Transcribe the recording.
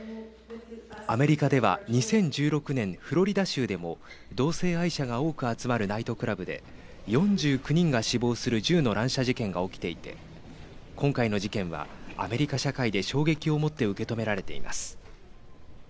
アメリカでは２０１６年フロリダ州でも同性愛者が多く集まるナイトクラブで４９人が死亡する銃の乱射事件が起きていて今回の事件はアメリカ社会で衝撃をもって受け止められています。